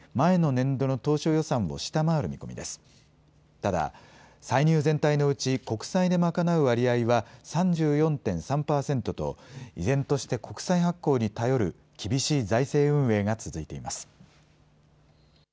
ただ、歳入全体のうち、国債で賄う割合は３４．３％と、依然として国債発行に頼る、厳しい財政運営が続いています。